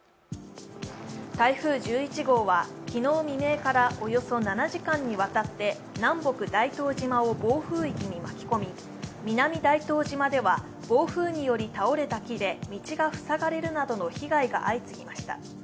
台風１１号は昨日未明からおよそ７時間にわたって南北大東島を暴風域に巻き込み、南大東島では暴風により倒れた木で道が塞がれるなどの被害が相次ぎました。